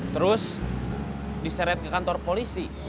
terus diseret ke kantor polisi